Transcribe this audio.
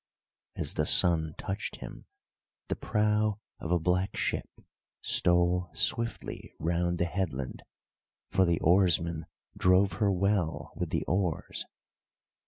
As the sun touched him, the prow of a black ship stole swiftly round the headland, for the oarsmen drove her well with the oars.